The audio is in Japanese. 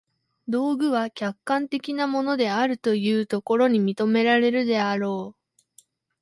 道具は客観的なものであるというところに認められるであろう。